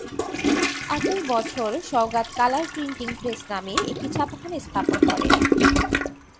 একই বছর Saogat colour printing press নামে একটি ছাপাখানা স্থাপন করেন।